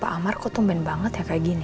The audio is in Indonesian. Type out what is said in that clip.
pak amar kok tumpen banget ya kaya gini